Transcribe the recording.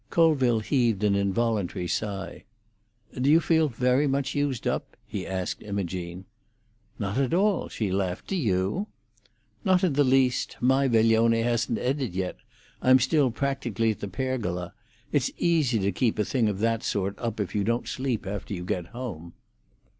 Colville heaved an involuntary sigh. "Do you feel very much used up?" he asked Imogene. "Not at all," she laughed. "Do you?" "Not in the least. My veglione hasn't ended yet. I'm still practically at the Pergola. It's easy to keep a thing of that sort up if you don't sleep after you get home."